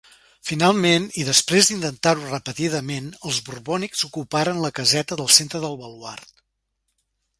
Finalment, i després d'intentar-ho repetidament, els borbònics ocuparen la caseta del centre del baluard.